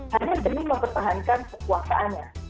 hanya demi mempertahankan kepuasaannya